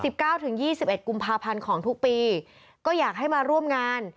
เก้าถึงยี่สิบเอ็ดกุมภาพันธ์ของทุกปีก็อยากให้มาร่วมงาน